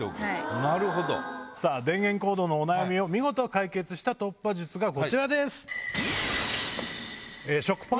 電源コードのお悩みを見事解決した突破術がこちらです！